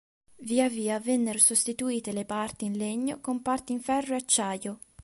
Via via vennero sostituite le parti in legno con parti in ferro e acciaio.